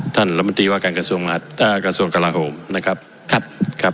ท่านรมนตรีว่าการกระทรวงอาทอ่ากระทรวงกราหมนะครับครับ